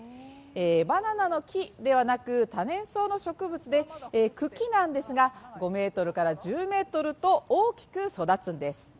バナナの木ではなく多年草の植物で、茎なんですが、５ｍから１０ｍと大きく育つんです。